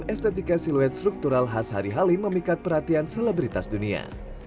estetika siluet struktural khas hari hari memikat perhatian selebritas dunia